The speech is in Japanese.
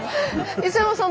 磯山さん